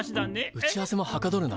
打ち合わせもはかどるな。